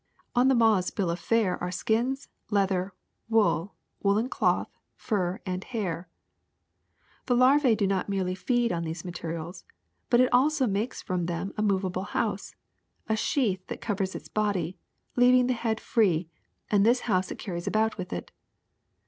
On the moth's bill of fare are skins, leather, wool, woolen cloth, fur, and hair. The larva does not merely feed on these ma terials, but it also makes from them a movable house, a sheath that covers its body, leaving the head free, and this house it carries about with it.